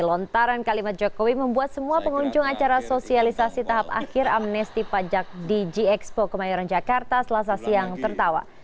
lontaran kalimat jokowi membuat semua pengunjung acara sosialisasi tahap akhir amnesti pajak di gxpo kemayoran jakarta selasa siang tertawa